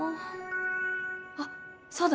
あそうだ！